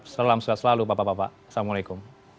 selam sejahtera selalu bapak bapak assalamu'alaikum